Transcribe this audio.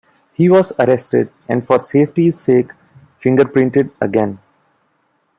He was arrested, and for safety's sake, fingerprinted again.